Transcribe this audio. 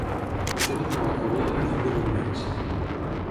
La torre donava cabuda a l'equip de bombeig.